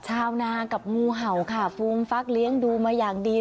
ชาวนากับงูเห่าค่ะฟูมฟักเลี้ยงดูมาอย่างดี